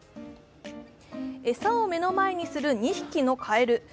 餌を目の前にする２匹のカエル。